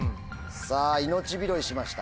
さぁ命拾いしました。